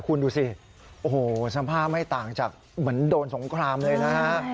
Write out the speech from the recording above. คุณดูสิโอ้โหสภาพไม่ต่างจากเหมือนโดนสงครามเลยนะฮะ